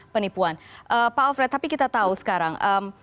penipuan pak alfred tapi kita tahu sekarang